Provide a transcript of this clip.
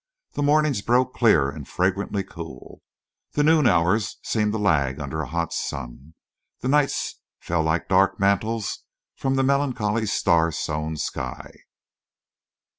The mornings broke clear and fragrantly cool, the noon hours seemed to lag under a hot sun, the nights fell like dark mantles from the melancholy star sown sky.